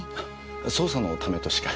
捜査のためとしか今は。